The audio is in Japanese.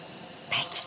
大吉。